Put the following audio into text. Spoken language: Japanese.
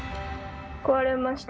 壊れました。